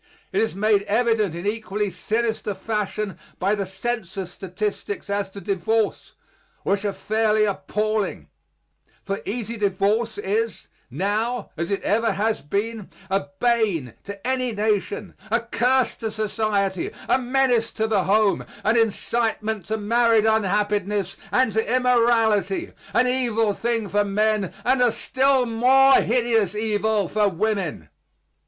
It is made evident in equally sinister fashion by the census statistics as to divorce, which are fairly appalling; for easy divorce is now as it ever has been, a bane to any nation, a curse to society, a menace to the home, an incitement to married unhappiness and to immorality, an evil thing for men and a still more hideous evil for women.